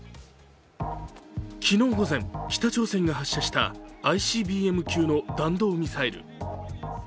昨日午前、北朝鮮が発射したＩＣＢＭ級の弾道ミサイル。